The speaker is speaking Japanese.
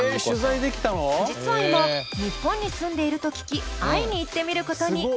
実は今日本に住んでいると聞き会いに行ってみることに！